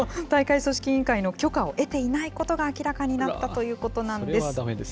大会組織委員会の許可を得ていないことが明らかになったということなんです。